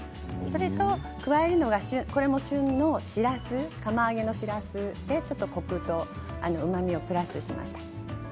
それと加えるのがこれも旬のしらす釜揚げのしらすでちょっとコクとうまみをプラスしました。